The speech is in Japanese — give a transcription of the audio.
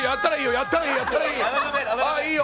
やったらいいよ。